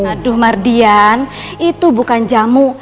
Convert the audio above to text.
aduh mardian itu bukan jamu